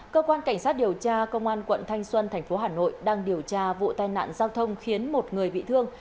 cơ quan cảnh sát điều tra công an quận thanh xuân thành phố hà nội đang điều tra vụ tai nạn giao thông khiến một người bị thương